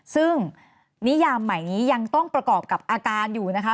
ซึ่งนิยามใหม่นี้ยังต้องประกอบกับอาการอยู่นะคะ